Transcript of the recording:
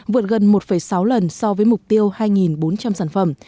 vượt gần một sáu lần so với mục tiêu hai bốn trăm linh sản phẩm